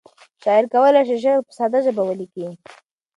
شاعر کولی شي شعر په ساده ژبه ولیکي.